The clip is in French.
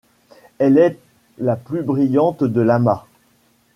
Elle est la plus brillante de l'amas.